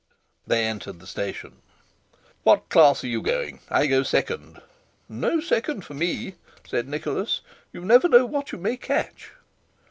They entered the station. "What class are you going? I go second." "No second for me," said Nicholas;—"you never know what you may catch."